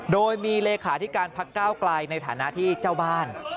โดยมีเลขาธิการพักก้าวไกลในฐานะที่เจ้าบ้าน